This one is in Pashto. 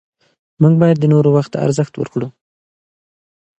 موږ باید د نورو وخت ته ارزښت ورکړو